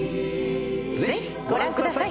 ぜひご覧ください。